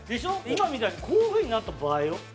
今みたいにこういう風になった場合よ。